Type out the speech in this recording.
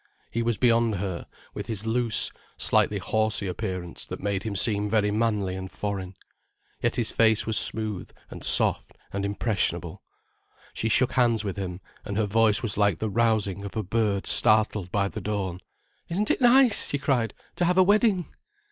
He was beyond her, with his loose, slightly horsey appearance, that made him seem very manly and foreign. Yet his face was smooth and soft and impressionable. She shook hands with him, and her voice was like the rousing of a bird startled by the dawn. "Isn't it nice," she cried, "to have a wedding?"